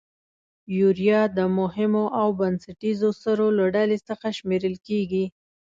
یوریا د مهمو او بنسټیزو سرو له ډلې څخه شمیرل کیږي.